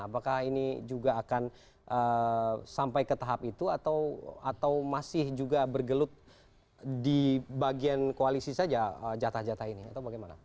apakah ini juga akan sampai ke tahap itu atau masih juga bergelut di bagian koalisi saja jatah jatah ini atau bagaimana